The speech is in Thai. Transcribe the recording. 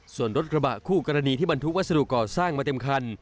ส่วนรถกระบะคู่กรณีที่บรรทุกวัสดุก่อสร้างมาเต็มคัน